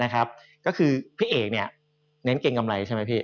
ก็คือพี่เอกเน้นเกรงกำไรใช่ไหมพี่